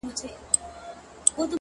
زه چي لـه چــــا سـره خبـري كـوم-